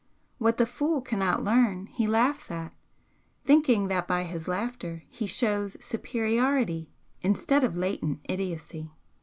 What the fool cannot learn he laughs at, thinking that by his laughter he shows superiority instead of latent idiocy.